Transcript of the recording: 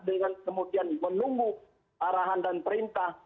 dengan kemudian menunggu arahan dan perintah